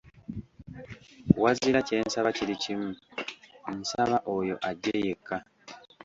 Wazira kye nsaba kiri kimu, nsaba oyo ajje yekka.